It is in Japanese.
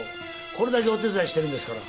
これだけお手伝いしてるんですから。